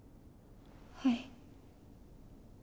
はい。